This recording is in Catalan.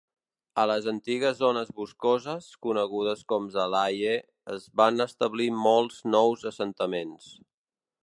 A les antigues zones boscoses, conegudes com Zalesye, es van establir molts nous assentaments.